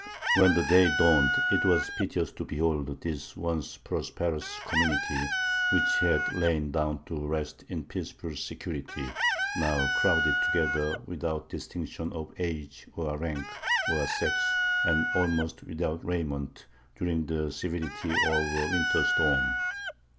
When the day dawned, it was piteous to behold this once prosperous community, which had lain down to rest in peaceful security, now crowded together without distinction of age, or rank, or sex, and almost without raiment, during the severity of a winter storm.